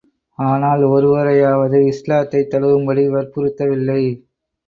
ஆனால், ஒருவரையாவது இஸ்லாத்தை தழுவும்படி வற்புறுத்தவில்லை.